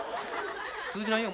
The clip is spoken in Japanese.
通じないよ。